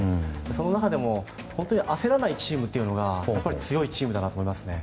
その中でも、焦らないチームが強いチームだなと思いますね。